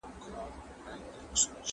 حال مو بايد سم کړو.